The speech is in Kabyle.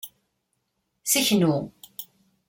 Seknu.